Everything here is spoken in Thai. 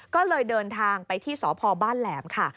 ก็เลยเดินทางไปที่สพบ้านแหลมค่ะ